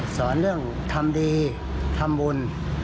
สอนเรื่องทำดีทำบุญ